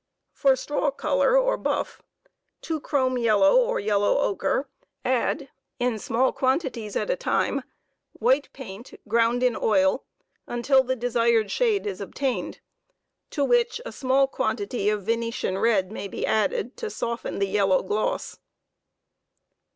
For straw color or buff: to chrome yellow or yellow ochre add, in small quanti Prepfttsti on bromide work. tied at a time, white paint (ground in oil) until the desired shade is obtained, to which 1 a small quantity p{ Venetian red may be added to soften the yellow gloss.